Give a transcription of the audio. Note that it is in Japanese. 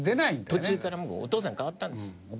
途中からもうお父さんに代わったんです。